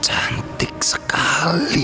cantik sekali dia